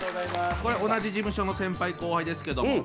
これ同じ事務所の先輩後輩ですけども。